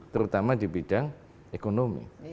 terutama di bidang ekonomi